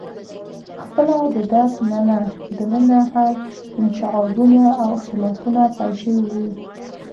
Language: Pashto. خپله د درګ دننه هم انشعابونه او اختلافونه پیل شوي وو.